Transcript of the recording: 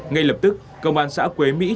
ngay lập tức công an xã quế mỹ